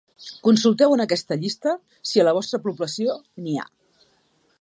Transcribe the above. Consulteu en aquesta llista si a la vostra població n’hi ha.